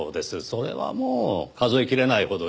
それはもう数えきれないほどに。